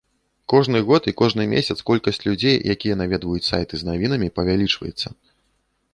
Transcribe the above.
Кожны год і кожны месяц колькасць людзей, якія наведваюць сайты з навінамі павялічваецца.